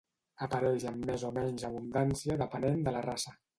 Apareix amb més o menys abundància depenent de la raça.